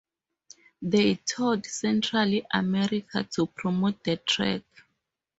They toured Central America to promote the track.